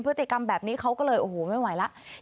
พฤติกรรมแบบนี้เขาก็เลยโอ้โหไม่ไหวแล้ว